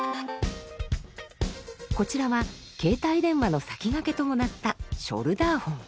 こちらは携帯電話の先駆けともなったショルダーホン。